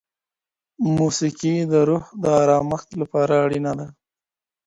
موسیقي د روح د ارامښت لپاره اړینه ده.